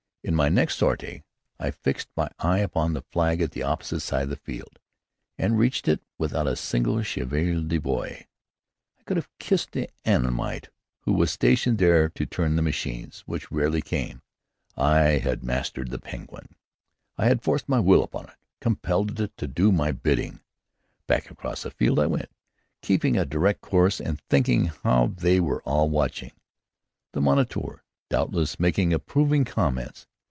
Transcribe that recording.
In my next sortie, I fixed my eye upon the flag at the opposite side of the field, and reached it without a single cheval de bois. I could have kissed the Annamite who was stationed there to turn the machines which rarely came. I had mastered the Penguin! I had forced my will upon it, compelled it to do my bidding! Back across the field I went, keeping a direct course, and thinking how they were all watching, the moniteur, doubtless, making approving comments.